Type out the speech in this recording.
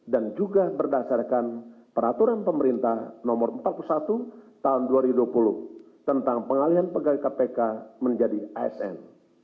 dan juga berdasarkan peraturan pemerintah nomor empat puluh satu tahun dua ribu dua puluh tentang pengalian pegawai kpk menjadi asn